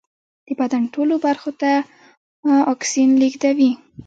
د بدن ټولو برخو ته اکسیجن لېږدوي